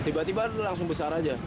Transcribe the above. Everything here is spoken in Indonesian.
tiba tiba langsung besar aja